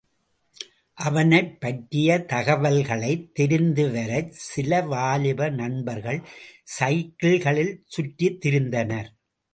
அவனைப் பற்றிய தகவல்களைத் தெரிந்துவரச் சில வாலிப நண்பர்கள் சைக்கிள்களில் சுற்றித் திரிந்தனர்.